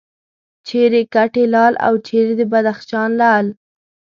چیرې کټې لال او چیرې د بدخشان لعل.